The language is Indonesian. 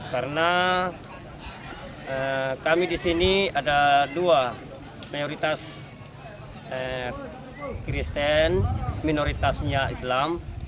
karena kami di sini ada dua mayoritas kristen minoritasnya islam